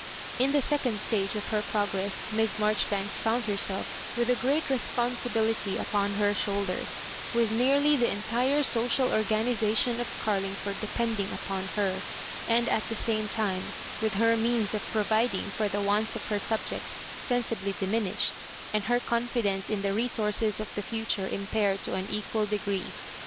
In the second stage of her progress Miss Marjoribanks' found herself, with a great responsibility upon her y shoulders, with nearly the entire social organisa ^tion of Carlingford depending upon her; and, at the same time, with her means of providing for the wants of her subjects sensibly diminished, and her confidence in the resources of the future impaired to an equal degree.